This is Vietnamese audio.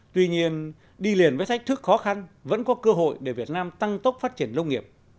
tuy nhiên đi liền với thách thức khó khăn vẫn có cơ hội để việt nam tăng tốc phát triển nông nghiệp